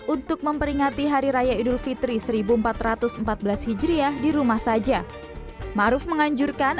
untuk memperingati hari raya idul fitri seribu empat ratus empat belas hijriah di rumah saja ⁇ maruf ⁇ menganjurkan